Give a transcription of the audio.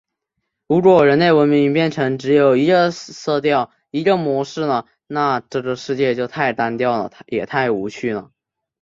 如果人类文明变得只有一个色调、一个模式了，那这个世界就太单调了，也太无趣了！